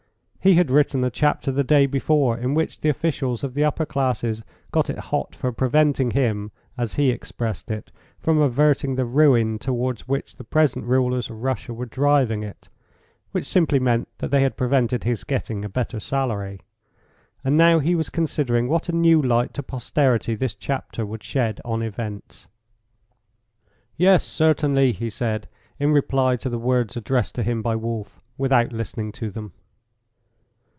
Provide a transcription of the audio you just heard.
He had written a chapter the day before in which the officials of the upper classes got it hot for preventing him, as he expressed it, from averting the ruin towards which the present rulers of Russia were driving it, which simply meant that they had prevented his getting a better salary. And now he was considering what a new light to posterity this chapter would shed on events. "Yes, certainly," he said, in reply to the words addressed to him by Wolf, without listening to them.